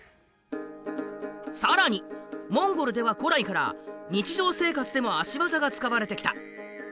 更にモンゴルでは古来から日常生活でも足技が使われてきた。